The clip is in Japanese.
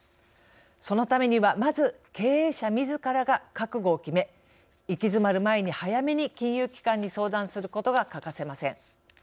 そのためには、まず経営者みずからが覚悟を決め行き詰まる前に早めに金融機関に相談することが欠かせません。